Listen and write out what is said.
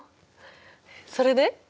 それで？